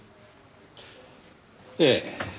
ええ。